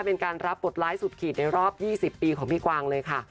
เป็นการรับบทไลค์สุดขีดในรอบ๒๐ปีของพี่กวางเลยค่ะ